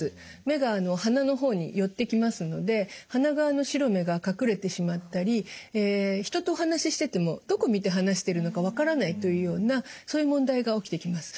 目が鼻の方に寄ってきますので鼻側の白目が隠れてしまったり人とお話ししててもどこ見て話しているのか分からないというようなそういう問題が起きてきます。